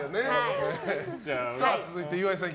続いて、岩井さん。